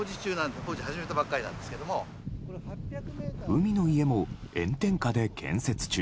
海の家も炎天下で建設中。